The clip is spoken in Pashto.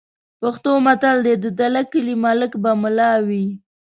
پښتو متل: "د دله کلي ملک به مُلا وي"